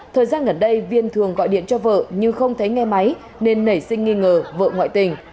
thời gian gần đây viên thường gọi điện cho vợ nhưng không thấy nghe máy nên nảy sinh nghi ngờ vợ ngoại tình